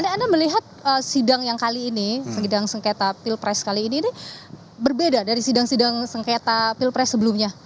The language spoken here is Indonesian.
anda melihat sidang yang kali ini sidang sengketa pilpres kali ini berbeda dari sidang sidang sengketa pilpres sebelumnya